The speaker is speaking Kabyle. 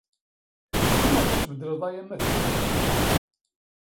Tzemreḍ ad tbeddleḍ aya ma tebɣiḍ.